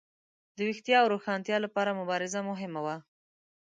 د ویښتیا او روښانتیا لپاره مبارزه مهمه وه.